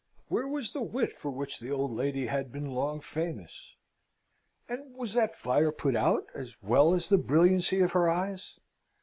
Where was the wit for which the old lady had been long famous? and was that fire put out, as well as the brilliancy of her eyes?